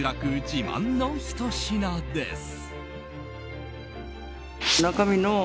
自慢のひと品です。